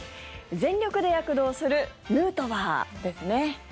全力で躍動するヌートバーですね。